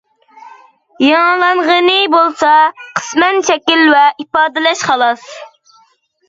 يېڭىلانغىنى بولسا، قىسمەن شەكىل ۋە ئىپادىلەش خالاس.